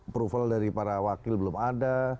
proval dari para wakil belum ada